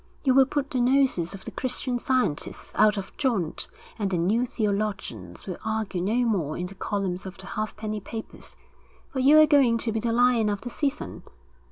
You will put the noses of the Christian Scientists out of joint, and the New Theologians will argue no more in the columns of the halfpenny papers. For you are going to be the lion of the season.